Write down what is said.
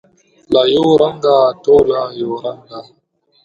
له یوه رنګه، ټوله یو رنګه